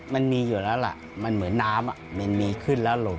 มันมีอยู่แล้วล่ะมันเหมือนน้ำมันมีขึ้นแล้วลม